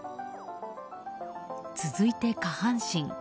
続いて下半身。